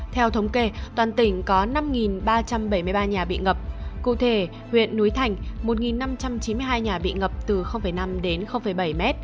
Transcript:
theo thống kê toàn tỉnh có năm ba trăm bảy mươi ba nhà bị ngập cụ thể huyện núi thành một năm trăm chín mươi hai nhà bị ngập từ năm đến bảy m